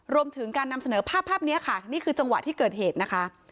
รวมถึงการนำเสนอภาพภาพนี้ค่ะนี่คือจังหวะที่เกิดเหตุนะคะ